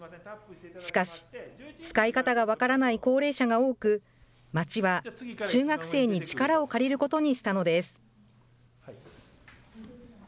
しかし、使い方が分からない高齢者が多く、町は中学生に力を借りることにしたのです。